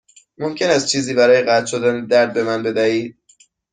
ممکن است چیزی برای قطع شدن درد به من بدهید؟